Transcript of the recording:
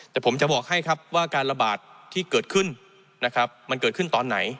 แต่ผมจะบอกให้ครับว่าการระบาดที่เกิดขึ้นนะครับมันเกิดขึ้นตอนไหน